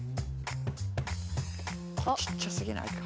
これちっちゃすぎないか？